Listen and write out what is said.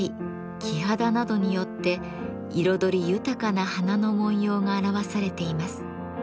黄蘗などによって彩り豊かな花の紋様が表されています。